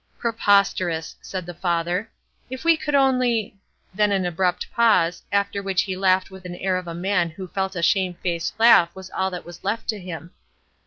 "Preposterous!" said the father. "If we could only—" then an abrupt pause, after which he laughed with the air of a man who felt that a shamefaced laugh was all that was left to him.